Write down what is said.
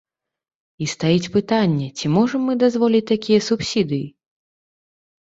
І стаіць пытанне, ці можам мы дазволіць такія субсідыі?